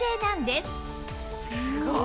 すごい！